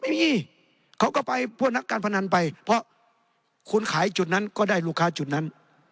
เขาก็ไปพวกนักการพนันไปเพราะคุณขายจุดนั้นก็ได้ลูกค้าจุดนั้น